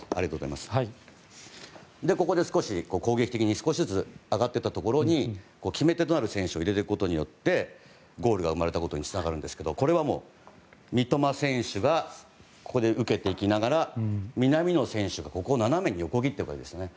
ここで少し攻撃的に少しずつ上がっていったところに決め手となる選手を入れていくことによってゴールが生まれたことにつながるんですけど三笘選手がここで受けていきながら南野選手が斜めに横切っていくわけですね。